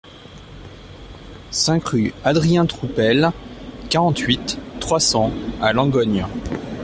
cinq rue Adrien Troupel, quarante-huit, trois cents à Langogne